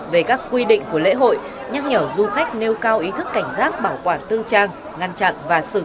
về các quy định của lễ hội nhắc nhở du khách nêu cao ý thức cảnh giác bảo quản tư trang ngăn chặn bảo quản tư trang